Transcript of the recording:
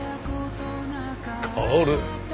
薫。